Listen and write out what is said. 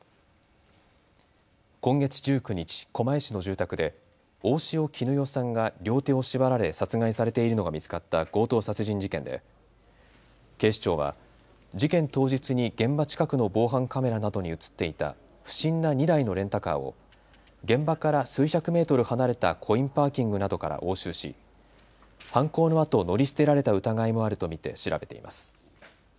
今月１９日、狛江市の住宅で大塩衣與さんが両手を縛られ殺害されているのが見つかった強盗殺人事件で警視庁は事件当日に現場近くの防犯カメラなどに写っていた不審な２台のレンタカーを現場から数百メートル離れたコインパーキングなどから押収し犯行のあと乗り捨てられた疑いもあると見て調べています。